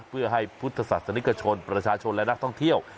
เพื่อให้พุทธศาสนิกชนประชาชนและนักท่องเที่ยว